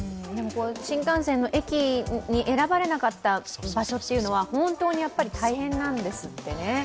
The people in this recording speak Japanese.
新幹線の駅に選ばれなかった場所というのは本当に大変なんですってね。